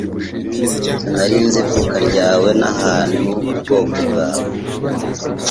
Sinari nzi ivuka ryawe n'ahantu ubwoko bwawe